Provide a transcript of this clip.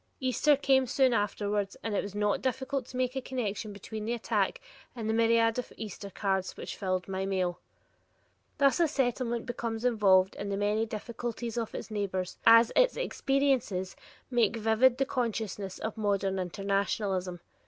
Easter came soon afterwards, and it was not difficult to make a connection between the attack and the myriad of Easter cards which filled my mail. Thus a Settlement becomes involved in the many difficulties of its neighbors as its experiences make vivid the consciousness of modern internationalism.